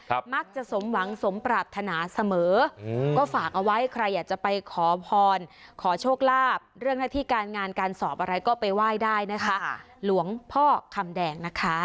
มักจะสมหวังสมปรารถนาเสมออืมก็ฝากเอาไว้ใครอยากจะไปขอพรขอโชคลาภเรื่องหน้าที่การงานการสอบอะไรก็ไปไหว้ได้นะคะหลวงพ่อคำแดงนะคะ